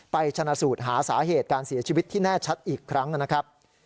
ชนะสูตรหาสาเหตุการเสียชีวิตที่แน่ชัดอีกครั้งนะครับ